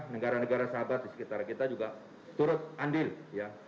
negara negara sahabat di sekitar kita juga turut andil ya